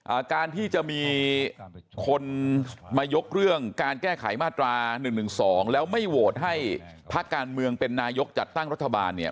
อ่าการที่จะมีคนมายกเรื่องการแก้ไขมาตรา๑๑๒แล้วไม่โหวตให้ภาคการเมืองเป็นนายกจัดตั้งรัฐบาลเนี่ย